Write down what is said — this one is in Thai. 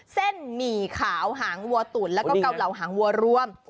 หมี่ขาวหางวัวตุ๋นแล้วก็เกาเหล่าหางวัวรวม